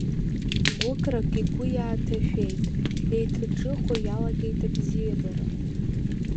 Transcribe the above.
Гәыӷрак игәы иааҭашәеит, еиҭаҿыхо иалагеит абзиабара.